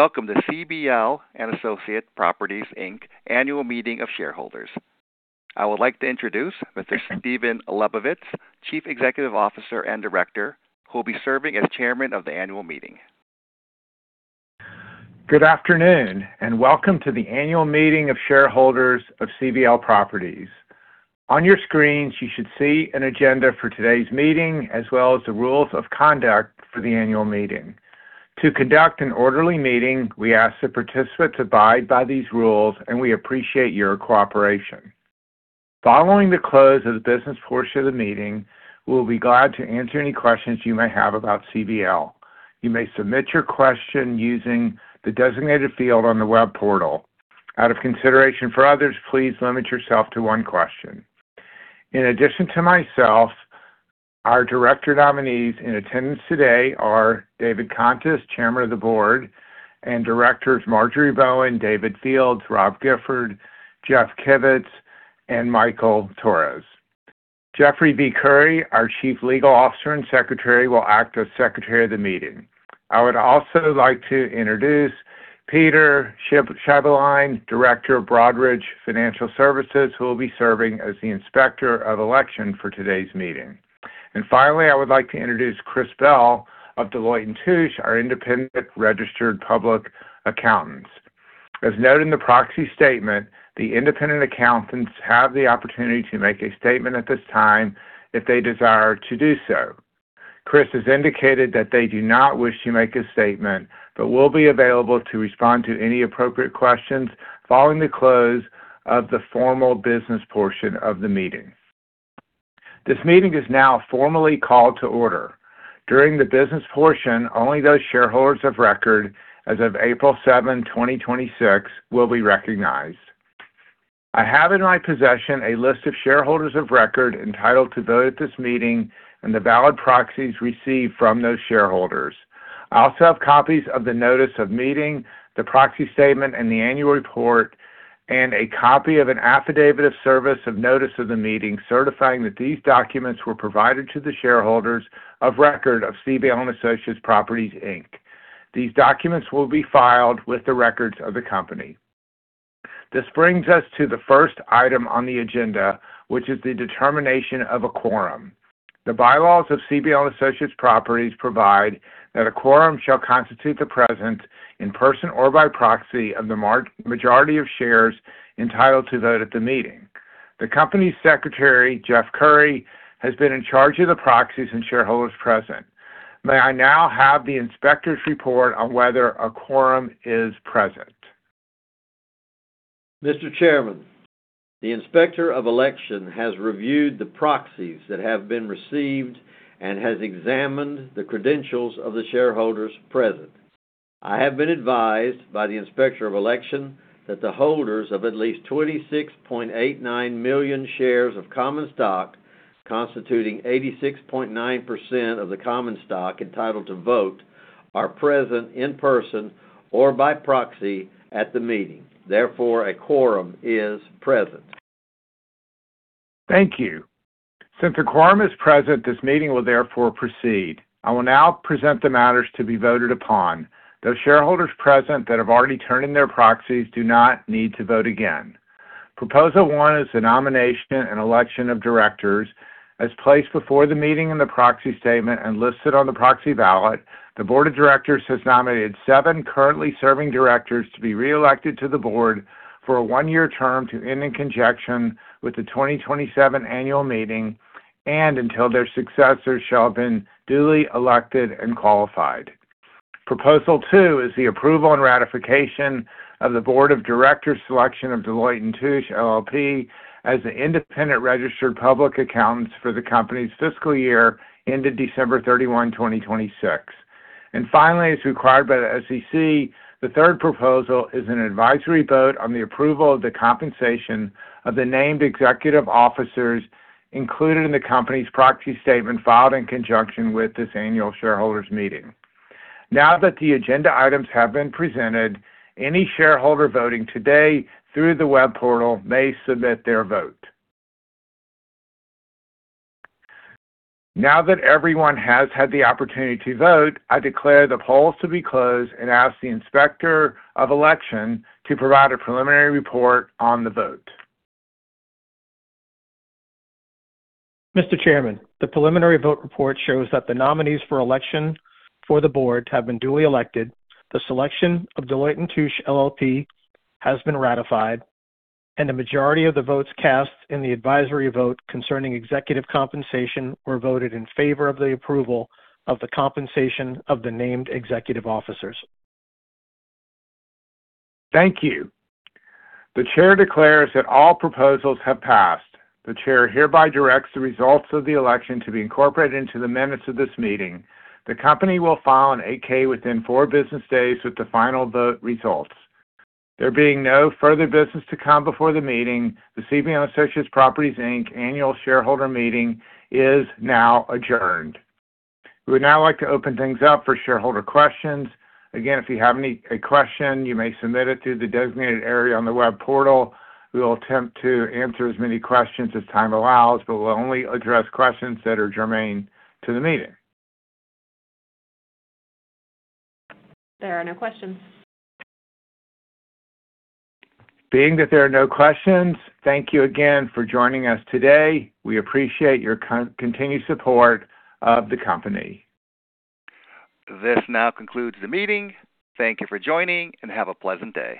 Welcome to CBL & Associates Properties, Inc. annual meeting of shareholders. I would like to introduce Mr. Stephen Lebovitz, Chief Executive Officer and Director, who will be serving as chairman of the annual meeting. Good afternoon, welcome to the annual meeting of shareholders of CBL Properties. On your screens, you should see an agenda for today's meeting, as well as the rules of conduct for the annual meeting. To conduct an orderly meeting, we ask the participants to abide by these rules, and we appreciate your cooperation. Following the close of the business portion of the meeting, we'll be glad to answer any questions you may have about CBL. You may submit your question using the designated field on the web portal. Out of consideration for others, please limit yourself to one question. In addition to myself, our director nominees in attendance today are David Contis, Chairman of the Board, and directors Marjorie Bowen, David Fields, Robert Gifford, Jeff Kivitz, and Michael Torres. Jeffery V. Curry, our Chief Legal Officer and Secretary, will act as Secretary of the meeting. I would also like to introduce Peter Scheibelein, Director of Broadridge Financial Services, who will be serving as the Inspector of Election for today's meeting. Finally, I would like to introduce Chris Bell of Deloitte & Touche, our independent registered public accountants. As noted in the proxy statement, the independent accountants have the opportunity to make a statement at this time if they desire to do so. Chris has indicated that they do not wish to make a statement but will be available to respond to any appropriate questions following the close of the formal business portion of the meeting. This meeting is now formally called to order. During the business portion, only those shareholders of record as of April 7, 2026 will be recognized. I have in my possession a list of shareholders of record entitled to vote at this meeting and the valid proxies received from those shareholders. I also have copies of the notice of meeting, the proxy statement, and the annual report, and a copy of an affidavit of service of notice of the meeting certifying that these documents were provided to the shareholders of record of CBL & Associates Properties, Inc. These documents will be filed with the records of the company. This brings us to the first item on the agenda, which is the determination of a quorum. The bylaws of CBL & Associates Properties provide that a quorum shall constitute the presence in person or by proxy of the majority of shares entitled to vote at the meeting. The company secretary, Jeff Curry, has been in charge of the proxies and shareholders present. May I now have the inspector's report on whether a quorum is present? Mr. Chairman, the Inspector of Election has reviewed the proxies that have been received and has examined the credentials of the shareholders present. I have been advised by the Inspector of Election that the holders of at least 26.89 million shares of common stock, constituting 86.9% of the common stock entitled to vote, are present in person or by proxy at the meeting. Therefore, a quorum is present. Thank you. Since a quorum is present, this meeting will therefore proceed. I will now present the matters to be voted upon. Those shareholders present that have already turned in their proxies do not need to vote again. Proposal 1 is the nomination and election of directors as placed before the meeting in the proxy statement and listed on the proxy ballot. The board of directors has nominated 7 currently serving directors to be reelected to the board for a one-year term to end in conjunction with the 2027 annual meeting and until their successors shall have been duly elected and qualified. Proposal 2 is the approval and ratification of the board of directors' selection of Deloitte & Touche LLP as the independent registered public accountants for the company's fiscal year ended December 31, 2026. Finally, as required by the SEC, the third proposal is an advisory vote on the approval of the compensation of the named executive officers included in the company's proxy statement filed in conjunction with this annual shareholders meeting. Now that the agenda items have been presented, any shareholder voting today through the web portal may submit their vote. Now that everyone has had the opportunity to vote, I declare the polls to be closed and ask the Inspector of Election to provide a preliminary report on the vote. Mr. Chairman, the preliminary vote report shows that the nominees for election for the board have been duly elected, the selection of Deloitte & Touche LLP has been ratified, and the majority of the votes cast in the advisory vote concerning executive compensation were voted in favor of the approval of the compensation of the named executive officers. Thank you. The chair declares that all proposals have passed. The chair hereby directs the results of the election to be incorporated into the minutes of this meeting. The company will file a Form 8-K within four business days with the final vote results. There being no further business to come before the meeting, the CBL & Associates Properties, Inc. annual shareholder meeting is now adjourned. We would now like to open things up for shareholder questions. Again, if you have a question, you may submit it through the designated area on the web portal. We will attempt to answer as many questions as time allows, but we'll only address questions that are germane to the meeting. There are no questions. Being that there are no questions, thank you again for joining us today. We appreciate your continued support of the company. This now concludes the meeting. Thank you for joining, and have a pleasant day.